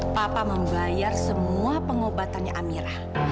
papa membayar semua pengobatannya amirah